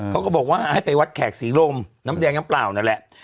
เขาก็บอกว่าให้ไปวัดแขกศรีลมน้ำแดงน้ำเปล่านั่นแหละ